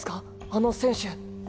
あの選手。